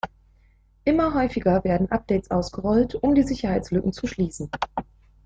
Immer häufiger werden Updates ausgerollt, um die Sicherheitslücken zu schließen.